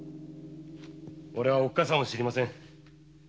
おれはおっかさんを知りません。